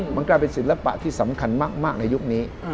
มันกลายเป็นศิลปะที่สำคัญมากในยุคนี้